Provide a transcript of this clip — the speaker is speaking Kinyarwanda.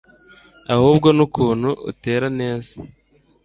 ahubwo nukuntu utera neza.